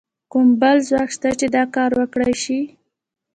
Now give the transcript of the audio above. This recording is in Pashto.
کوم بل ځواک شته چې دا کار وکړای شي؟